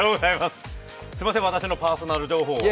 すみません、私のパーソナル情報を。